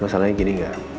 masalahnya gini gak